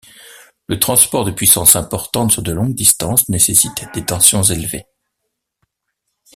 Le transport de puissances importantes sur de longues distances nécessite des tensions élevées.